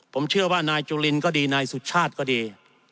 ผมเชื่อว่านายจุลินก็ดีนายสุชาติก็ดี